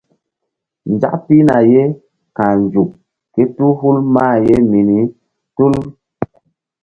Nzak pihna ye ka̧h nzuk kétul hul mah ye mini tul.